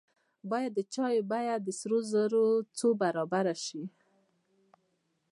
باید د چای بیه د سرو زرو څو برابره شي.